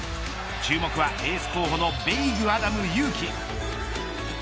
注目はエース候補の部井久アダム勇樹。